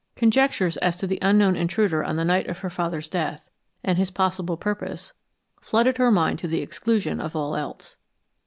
Conjectures as to the unknown intruder on the night of her father's death, and his possible purpose, flooded her mind to the exclusion of all else.